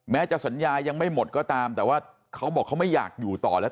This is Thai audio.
แม้จะสัญญายังไม่หมดก็ตามแต่ว่าเขาบอกเขาไม่อยากอยู่ต่อแล้ว